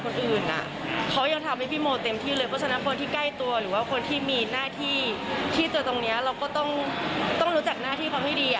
อยู่ตรงนี้เราก็ต้องรู้จักหน้าที่ความที่ดี